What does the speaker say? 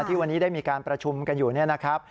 ที่วันนี้ได้มีการประชุมกันอยู่เนี่ยนะครับ